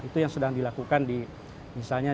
itu yang sedang dilakukan di misalnya